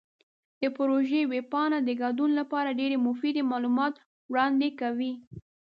د پروژې ویب پاڼه د ګډون لپاره ډیرې مفیدې معلومات وړاندې کوي.